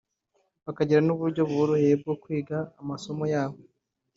bakagira n’uburyo buboroheye bwo kwiga amasomo yabo”